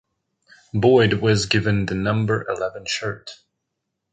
Boyd was given the number eleven shirt.